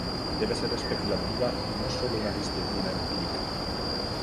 Debe ser especulativa y no sólo una disciplina empírica".